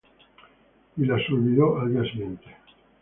Y las olvido al día siguiente.